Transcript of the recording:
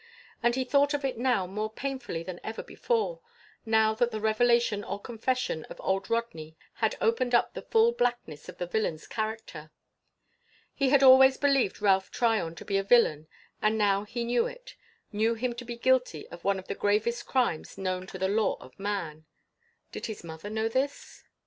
And he thought of it now more painfully than ever before, now that the revelation or confession of old Rodney had opened up the full blackness of the villain's character. He had always believed Ralph Tryon to be a villain and now he knew it, knew him to be guilty of one of the gravest crimes known to the law of man. Did his mother know this?